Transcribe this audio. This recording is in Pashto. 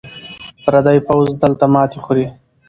پردی پوځ دلته ماتې خوري.